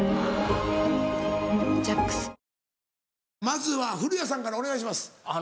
まずは古谷さんからお願いします。